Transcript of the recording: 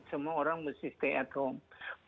semua orang mesti stay at home